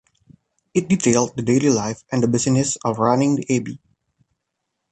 It detailed the daily life and the business of running the Abbey.